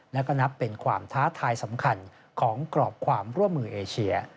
และก็นับเป็นความท้าทายสำคัญของกรอบความร่วมมือเอเชีย